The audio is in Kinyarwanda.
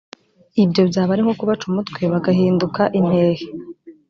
ibyo byaba ari nko kubaca umutwe bagahinduka impehe